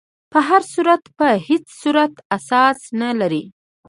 په هر صورت په هیڅ صورت اساس نه لري.